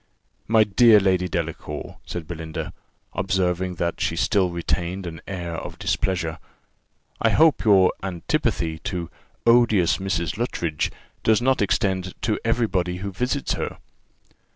"My dear Lady Delacour," said Belinda, observing that she still retained an air of displeasure, "I hope your antipathy to odious Mrs. Luttridge does not extend to every body who visits her."